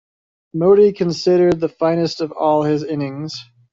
Modi considered the finest of all his innings.